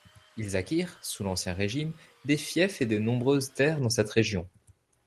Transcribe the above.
Ils acquirent, sous l'Ancien Régime, des fiefs et de nombreuses terres dans cette région.